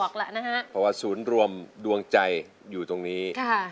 เพราะว่าศูนย์รวมดวงใจอยู่ตรงนี้